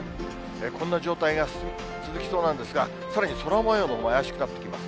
こんな状態が続きそうなんですが、さらに空もようも怪しくなってきます。